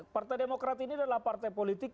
partai demokrat ini adalah partai politik